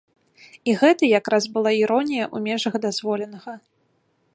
І гэта якраз была іронія ў межах дазволенага.